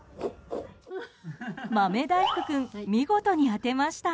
豆大福君、見事に当てました。